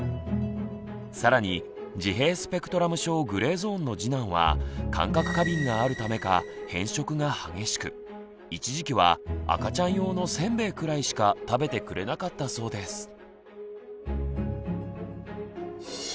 更に自閉スペクトラム症グレーゾーンの次男は感覚過敏があるためか偏食が激しく一時期は赤ちゃん用のせんべいくらいしか食べてくれなかったそうです。